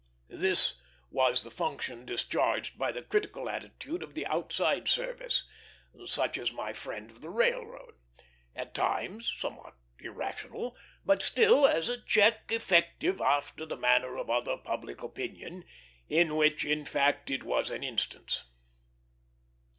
This was the function discharged by the critical attitude of the outside service, such as my friend of the railroad; at times somewhat irrational, but still as a check effective after the manner of other public opinion, of which in fact it was an instance.